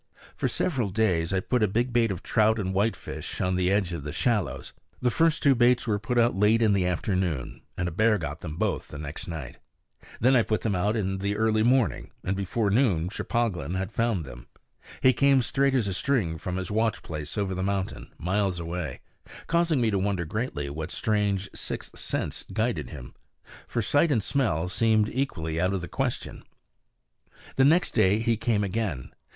For several days I put a big bait of trout and whitefish on the edge of the shallows. The first two baits were put out late in the afternoon, and a bear got them both the next night. Then I put them out in the early morning, and before noon Cheplahgan had found them. He came straight as a string from his watch place over the mountain, miles away, causing me to wonder greatly what strange sixth sense guided him; for sight and smell seemed equally out of the question. The next day he came again.